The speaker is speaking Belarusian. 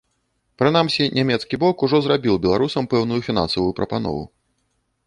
Прынамсі, нямецкі бок ужо зрабіў беларусам пэўную фінансавую прапанову.